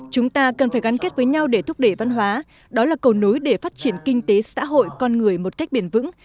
chúng ta cần phải gắn kết với nhau để thúc đẩy văn hóa đó là cầu nối để phát triển kinh tế xã hội con người một cách bền vững